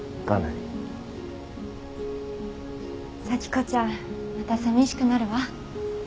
早季子ちゃんまたさみしくなるわ。